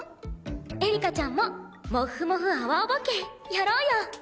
エリカちゃんもモッフモフ泡オバケやろうよ！